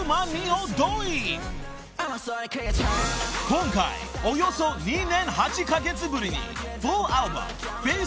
［今回およそ２年８カ月ぶりに］